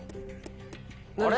あれ？